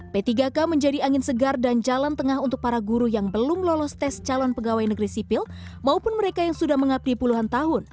p tiga k menjadi angin segar dan jalan tengah untuk para guru yang belum lolos tes calon pegawai negeri sipil maupun mereka yang sudah mengabdi puluhan tahun